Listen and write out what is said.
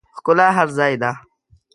ښکلا هر ځای ده